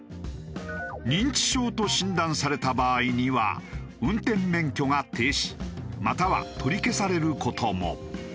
「認知症」と診断された場合には運転免許が停止または取り消される事も。